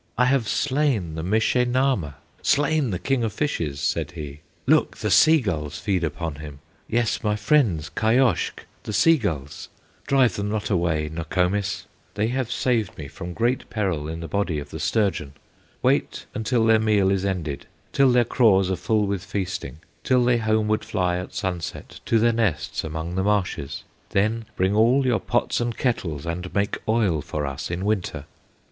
"I have slain the Mishe Nahma, Slain the King of Fishes!" said he; "Look! the sea gulls feed upon him, Yes, my friends Kayoshk, the sea gulls; Drive them not away, Nokomis, They have saved me from great peril In the body of the sturgeon, Wait until their meal is ended, Till their craws are full with feasting, Till they homeward fly, at sunset, To their nests among the marshes; Then bring all your pots and kettles, And make oil for us in Winter."